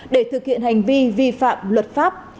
để thực hiện hành vi vi phạm luật pháp